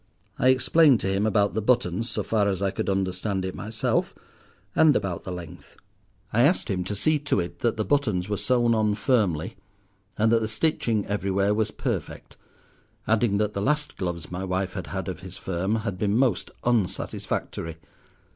I explained to him about the buttons, so far as I could understand it myself, and about the length. I asked him to see to it that the buttons were sewn on firmly, and that the stitching everywhere was perfect, adding that the last gloves my wife had had of his firm had been most unsatisfactory.